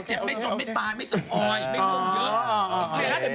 ขอให้มีบ้านอยู่มีรูแห่มีแรงยิ้มนะครับผม